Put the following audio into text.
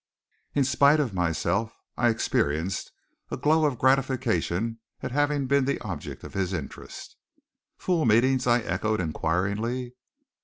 In spite of myself I experienced a glow of gratification at having been the object of his interest. "Fool meetings?" I echoed inquiringly.